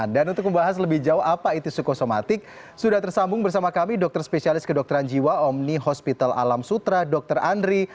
untuk membahas lebih jauh apa itu psikosomatik sudah tersambung bersama kami dokter spesialis kedokteran jiwa omni hospital alam sutra dr andri